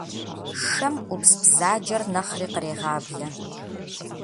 Шэм Ӏупс бзаджэр нэхъри кърегъаблэ.